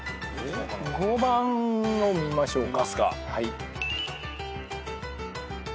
５番の見ましょうか。